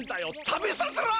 食べさせろ！